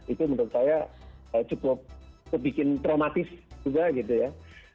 itu menurut saya cukup bikin traumatis juga gitu ya